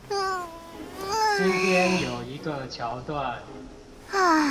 今天有一個橋段